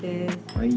はい。